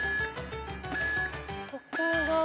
徳川。